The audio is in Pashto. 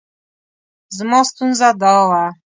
زما ستونزه دا وه.